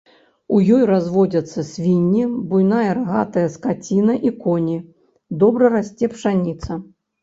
У ёй разводзяцца свінні, буйная рагатая скаціна і коні, добра расце пшаніца.